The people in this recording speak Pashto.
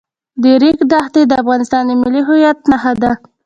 د ریګ دښتې د افغانستان د ملي هویت نښه ده.